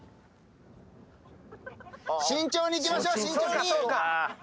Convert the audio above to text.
慎重にいきましょう慎重に。